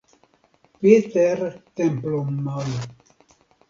Péter templommal.